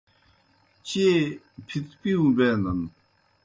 چیئے پِھتپِیؤں بینَن۔